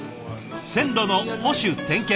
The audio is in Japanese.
線路の保守点検